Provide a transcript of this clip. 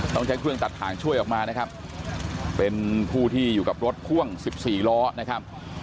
ต้องใช้เครื่องตัดถ่างช่วยออกมานะครับเป็นผู้ที่อยู่กับรถพ่วงสิบสี่ล้อนะครับ